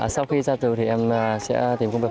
sau khi ra trường thì em sẽ tìm công việc